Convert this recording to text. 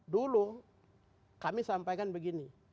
dulu kami sampaikan begini